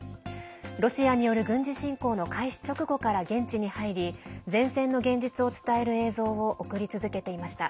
ロシアによる軍事侵攻の開始直後から現地に入り前線の現実を伝える映像を送り続けていました。